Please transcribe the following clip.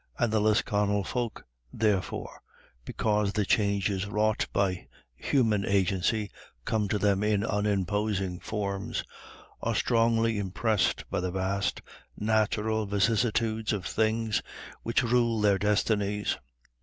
And the Lisconnel folk, therefore, because the changes wrought by human agency come to them in unimposing forms, are strongly impressed by the vast natural vicissitudes of things which rule their destinies.